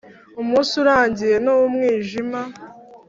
umunsi urangiye, n'umwijima